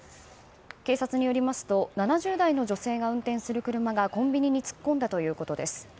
警察によりますと７０代の女性が運転する車がコンビニに突っ込んだということです。